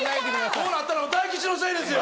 こうなったの大吉のせいですよ